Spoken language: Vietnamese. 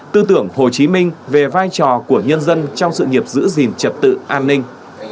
tư tưởng hồ chí minh về vai trò của nhân dân trong sự nghiệp giữ gìn trật tự an ninh